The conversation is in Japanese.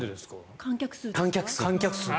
観客数。